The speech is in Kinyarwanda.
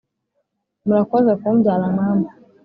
murakoze kumbyara mama!